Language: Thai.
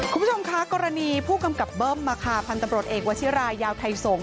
คุณผู้ชมคะกรณีผู้กำกับเบิ้มพันธุ์ตำรวจเอกวชิรายาวไทยสงศ